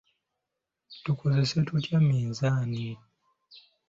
Tukozesa tutya minzaani?